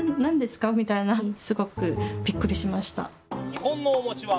日本のおは。